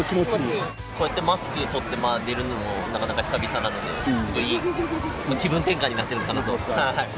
こうやってマスク取って出るのもなかなか久々なので、すごいいい気分転換になってるのかなと。